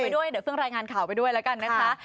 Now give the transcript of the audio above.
ด้วยเดี๋ยวเพิ่งรายงานข่าวไปด้วยแล้วกันนะคะ